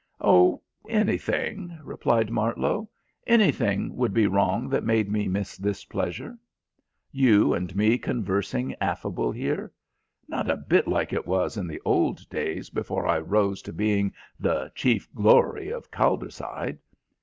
"Oh, anything," replied Martlow. "Anything would be wrong that made me miss this pleasure. You and me conversing affable here. Not a bit like it was in the old days before I rose to being the chief glory of Calderside.